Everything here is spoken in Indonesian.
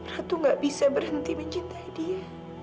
ratu gak bisa berhenti mencintai dia